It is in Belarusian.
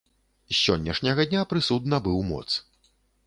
З сённяшняга дня прысуд набыў моц.